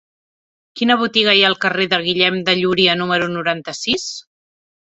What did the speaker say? Quina botiga hi ha al carrer de Guillem de Llúria número noranta-sis?